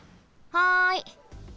はい。